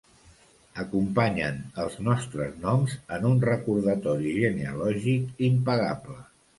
Acompanyen els nostres noms en un recordatori genealògic impagable.